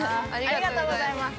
ありがとうございます。